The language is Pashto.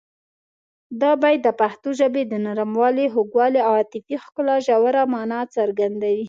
دا بیت د پښتو ژبې د نرموالي، خوږوالي او عاطفي ښکلا ژوره مانا څرګندوي.